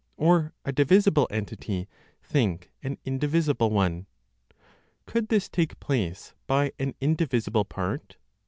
Or a divisible entity, think an indivisible one? Could this take place by an indivisible part?